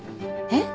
えっ？